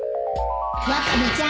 ワカメちゃん